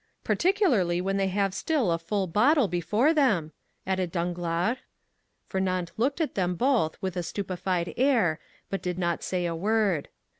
"Particularly when they have still a full bottle before them," added Danglars. Fernand looked at them both with a stupefied air, but did not say a word.